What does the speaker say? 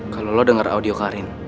kalau lo dengar audio karin